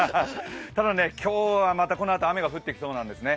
ただ、今日はまたこのあと雨が降ってきそうなんですね。